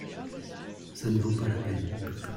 ça ne vaut pas la peine.